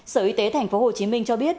sở y tế tp hcm cho biết